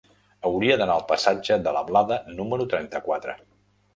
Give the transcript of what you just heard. Hauria d'anar al passatge de la Blada número trenta-quatre.